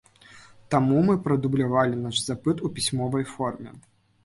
Таму мы прадублявалі наш запыт у пісьмовай форме.